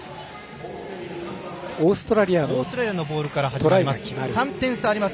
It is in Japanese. オーストラリアのボールから始まります。